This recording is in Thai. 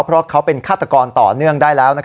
เพราะเขาเป็นฆาตกรต่อเนื่องได้แล้ว